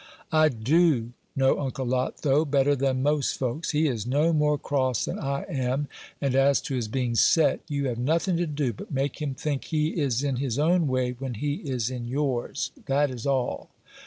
"I do know Uncle Lot, though, better than most folks; he is no more cross than I am; and as to his being set, you have nothing to do but make him think he is in his own way when he is in yours that is all."